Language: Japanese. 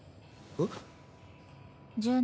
えっ！